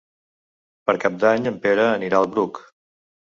Per Cap d'Any en Pere anirà al Bruc.